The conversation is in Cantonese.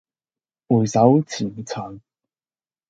回首前塵